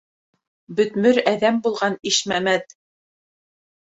Бөтмөр әҙәм булған Ишмәмәт.